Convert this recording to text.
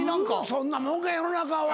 そんなもんか世の中は。